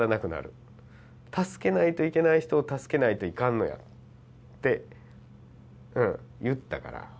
助けないといけない人を助けないといかんのやって言ったから。